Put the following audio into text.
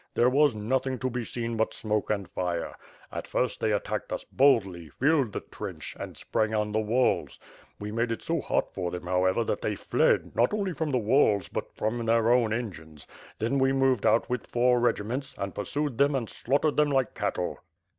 There was nothing to be seen but smoke and fire. At first they attacked us boldly, filled the trench, and sprang on the walls. We made it so hot for them, however, that they fled, not only from the walls, but from their own engines; then we moved out with four regiments, and pursued them and slaughtered them like cattle."